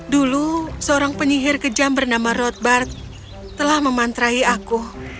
dulu seorang penyihir kejam bernama rothbard telah memantrahi aku